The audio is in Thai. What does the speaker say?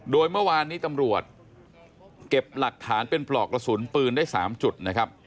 โดยเมื่อวานนี้ตำรวจเก็บหลักฐานเป็นปลอกกระสุนปืนได้๓จุดนะครับ